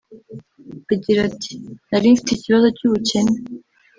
Agira ati “Nari mfite ikibazo cy’ubukene